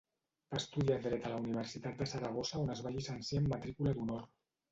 Va estudiar Dret a la Universitat de Saragossa on es va llicenciar amb matrícula d'honor.